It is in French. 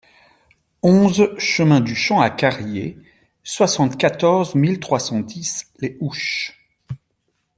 onze chemin du Champ à Carrier, soixante-quatorze mille trois cent dix Les Houches